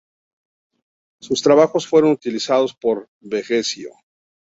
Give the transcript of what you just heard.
Sus trabajos fueron utilizados por Vegecio.